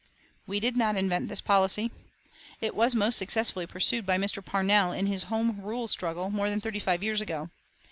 We did not invent this policy. It was most successfully pursued by Mr. Parnell in his Home Rule struggle more than thirty five years ago.